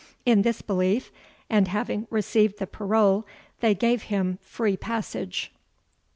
In this belief, and having received the parole, they gave him free passage.